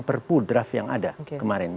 per pudraf yang ada kemarin oke